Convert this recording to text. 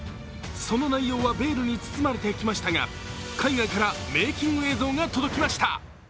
その内容はベールに包まれてきましたが海外からメーキング映像が届きました。